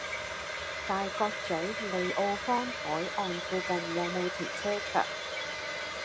大角嘴利奧坊·凱岸附近有無停車場？